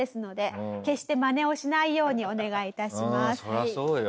そりゃそうよ。